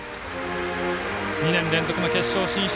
２年連続の決勝の進出。